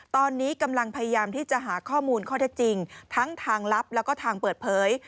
ตอนนี้กำลังพยายามที่จะหาข้อมูลข้อเท็จจริงทั้งทางลับแล้วก็ทางเปิดเผย